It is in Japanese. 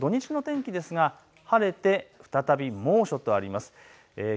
台風が過ぎたあと土日の天気ですが晴れて再び猛暑となります。